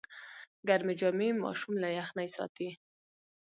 ګرمې جامې ماشوم له یخنۍ ساتي۔